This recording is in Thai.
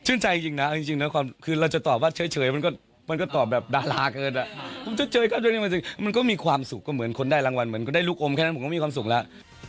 ชื่นใจจริงนะคือเราจะตอบว่าเฉยมันก็ตอบแบบดาราเกินอะมันก็มีความสุขก็เหมือนคนได้รางวัลเหมือนคนได้ลูกอมแค่นั้นผมก็มีความสุขแล้ว